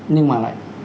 nhưng mà lại